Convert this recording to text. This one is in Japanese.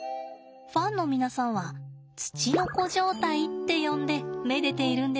ファンの皆さんはツチノコ状態って呼んでめでているんですって。